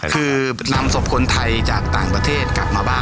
คือนำศพคนไทยจากต่างประเทศกลับมาบ้าน